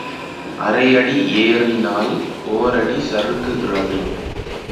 அரை அடி ஏறினால் ஓரடி சறுக்குகிறது.